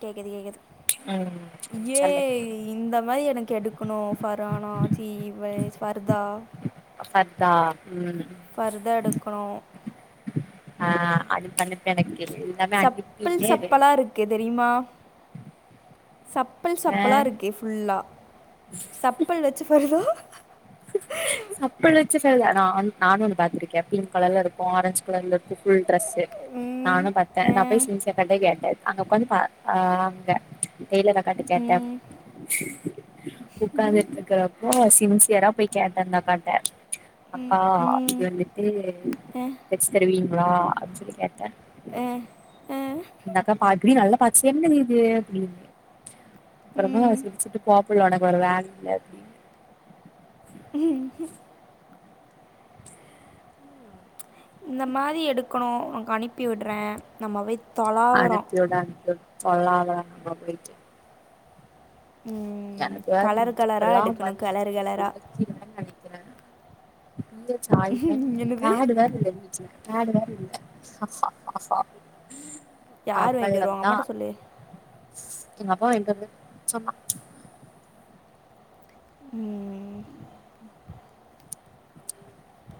கேக்குது கேக்குது சொல்லு ஏய் இந்த மாரி எனக்கு எடுக் க்குனு பரானா சீ வ ஜ் ஃபர்தா ஃபர்தா ம் ஃபர்தா எடுக்கணு அ அது பண்ணிப்பே எனக்கு எல்லாமே சப்பல் அனுப்பினே இரு சப்பலா ருக்கு தெரியுமா சப்பல் ஆ சப்பலாருக்கு ஃபுல்லா சப்பல் வெச்சி ஃபருதா சப்பல் வச்சு ஃபர்தா நா அங் நானு ஒன்னு பாத்திருக்கே பிங்க் கலர்ல இருக்கு ஆரஞ்ச் கலர்ல இருக்கு ஃபுல் ட்ரெஸு ம், நானு பாத்தே ஆ, நா போய் சின்ஸ் அக்காடயு கேட்ட அங்க ஒக்காந்து பாத் அ அங்க டெய்லர் அக்காட்ட கேட்டே ம், உக்காந்துட்ருக்கற அப்போ சின்ஸ்யரா போய் கேட்டே அந்த அக்காட்ட அக்கா ம், இது வந்துட்டு தெச்சிதா தருவீங்ளா அப்டி சொல்லி கேட்டே ஆ, ஆ, இந்தக்கா பாத் புரில நல்லா பாத் [unintelligible] என்னது இது அப்டின்னு அப்பறமா ம். சிரிச்சிட்டு போ புள்ள உனக்கு வேற வேல இல்ல அப்டின்னு இந்த மாதி எடுக்கணு உன்க்கு அனுப்பி விடுறே நம்ம வெ அனப்பிவுடு [unintelligible] சொல்லாத நம்ப போயிட்டு எனக்கு வேற கலர் கலராக இடுப்பெல்லா எடுக்கணும் கலர் வலிக்கிது கலராக [unintelligible] நெனைக்கிறே உங்க சாய் [unintelligible] என்னது பேடு வேற இல்ல வீ [unintelligible] பேடு வேற இல்ல யாரு வாய்ன்டு வருவா உங்‌ அவ்வளதா அம்மாட்ட சொல்லு எங்க அப்பா எங்க [unintelligible] சொன்னா ம்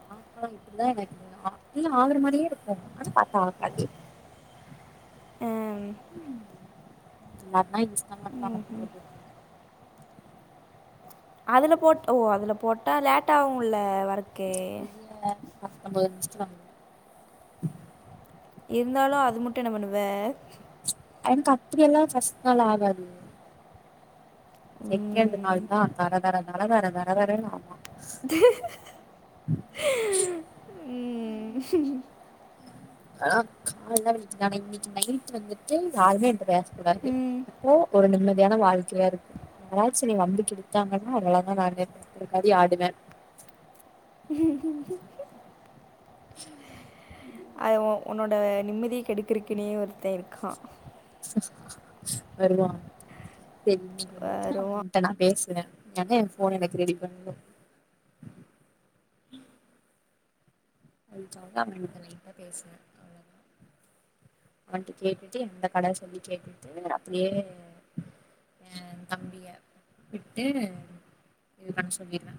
பாப்ப இப்டிதா எனக்கு அ இல்ல ஆகுற மாரியே இருக்கு ஆனா பாத்தா ஆகாது ம் [unintelligible] இன்ஸ்டாமாட்ல ஆடரு போட்டுவுட்ருவே அதுல போட் ஓ அதுல போட்டா லேட்டாவுல வர ஒகே [inaudible] இருந்தாலு அது மட்டு என்ன பண்ணுவ என்க்கு அப்படியெலா ஃபஸ்ட் நாள் ஆகாது செகண்ட்டு ம், நாள்தா தர தர தர தர தர தரேனு ஆமா ஆனா கால்லா வலிக்கிது ஆனா இன்னிக்கு நைட்டு வந்துட்டு யாருமே என்ட பேச கூடாது ம், அப்போ ஒரு நிம்மதியான வாழ்க்கயா இருக்கு யாராச்சு என்னிய வந்து கெடுத்தாங்கன்னா அவ்ளோதா நானு பேக்காதி ஆடுவே அது உன்- உன்னோட நிம்மதிய கெடுக்கறக்குனே ஒருத்த இருக்கா வருவா சேரி வந்துட்டு வருவான் அவன்ட நா பேஸ் எங்க என் ஃபோன்ன எனக்கு ரெடி பண்ணு [unintelligible] லைட்டா பேசுனே அவ்ளதா அவன்ட கேட்டுட்டு எந்த கட சொல்லி கேட்டுட்டு அப்டியே அஹ் தம்பிய விட்டு இது பண்ண சொல்லிருவே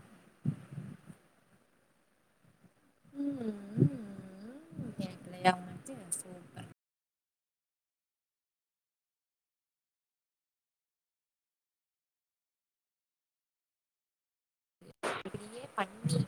உம் உம் உம் கேக்கலயா உனக்கு சூப்பர் [inaudible] இப்படியே பண்ணிட்டு